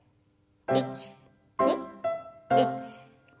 １２１２。